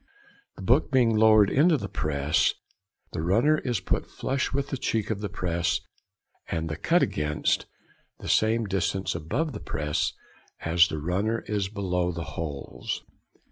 The book being lowered into the press, the runner is put flush with the cheek of the press and the cut against just the same distance above the press as the runner is below the holes.